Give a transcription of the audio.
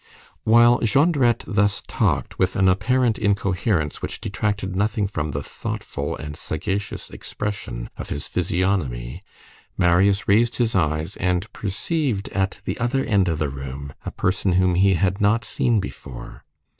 While Jondrette thus talked, with an apparent incoherence which detracted nothing from the thoughtful and sagacious expression of his physiognomy, Marius raised his eyes, and perceived at the other end of the room a person whom he had not seen before.